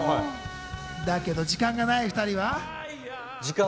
だけど時間がない２人は？